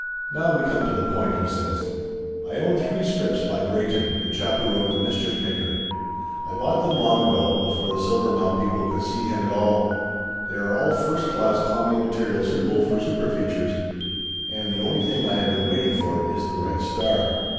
"Now we come to the point," he says. "I own three scripts by Greyton, the chap who wrote The Mischief Maker. I bought them long ago, before the Silver mount people could see him at all. They are all first class comedy material suitable for super features. And the only thing I have been waiting for is the right star."